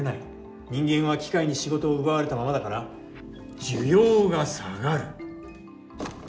人間は機械に仕事を奪われたままだから「需要」が下がる。